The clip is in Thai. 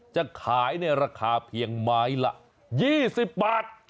จะขายในราคาเพียงไม้ละ๒๐บาท